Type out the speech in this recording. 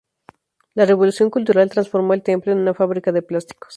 La Revolución Cultural transformó el templo en una fábrica de plásticos.